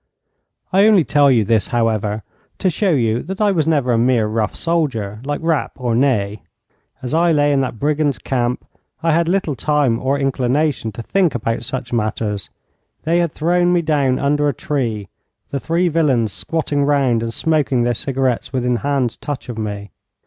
I only tell you this, however, to show you that I was never a mere rough soldier like Rapp or Ney. As I lay in that brigands' camp, I had little time or inclination to think about such matters. They had thrown me down under a tree, the three villains squatting round and smoking their cigarettes within hands' touch of me.